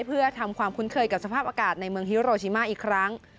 เพื่อทำความคุ้นเคยกับสภาพอากาศในเมืองฮิโรชิมาอีกครั้ง